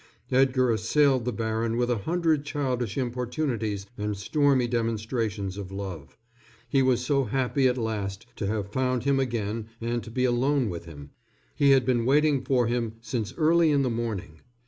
Edgar assailed the baron with a hundred childish importunities and stormy demonstrations of love. He was so happy at last to have found him again and to be alone with him. He had been waiting for him since early in the morning.